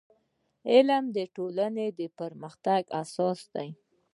• علم د ټولنې د پرمختګ اساس دی.